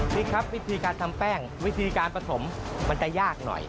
ครับวิธีการทำแป้งวิธีการผสมมันจะยากหน่อย